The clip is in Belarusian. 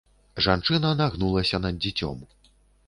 Жанчына нагнулася над дзіцём.